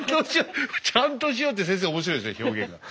ちゃんとしようって先生面白いですね表現が。